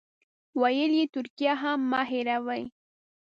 ویل یې ترکیه هم مه هېروئ.